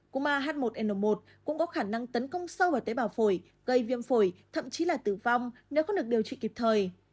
cú a h một n một cũng có khả năng tấn công sâu vào tế bào phổi gây viêm phổi thậm chí là tử vong nếu không được điều trị kịp thời